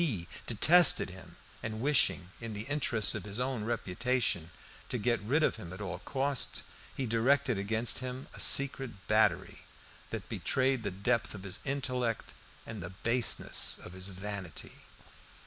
He detested him, and wishing, in the interests of his own reputation, to get rid of him at all costs, he directed against him a secret battery, that betrayed the depth of his intellect and the baseness of his vanity.